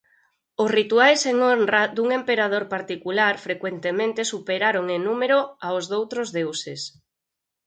Os rituais en honra dun emperador particular frecuentemente superaron en número aos doutros deuses.